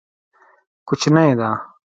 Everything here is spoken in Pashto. کوچنی ده.